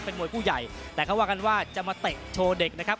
เป็นมวยผู้ใหญ่แต่เขาว่ากันว่าจะมาเตะโชว์เด็กนะครับ